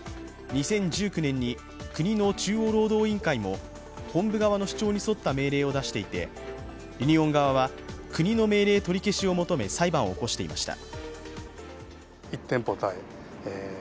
２０１９年に国の中央労働委員会も本部側の主張に沿った命令を出していて、ユニオン側は国の命令取り消しを求め、裁判を起こしていました。